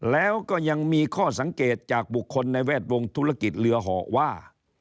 แล้วก็ยังมีข้อสังเกตจากบุคคลในแวดวงธุรกิจเรือเหาะว่า